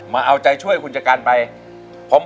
มาเอาใจช่วยคุณชกรรมัณฑ์ไป